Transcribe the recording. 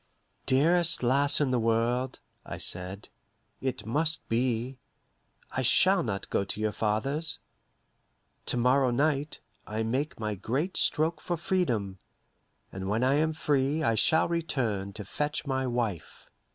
"Dearest lass in the world," I said, "it must be. I shall not go to your father's. To morrow night, I make my great stroke for freedom, and when I am free I shall return to fetch my wife."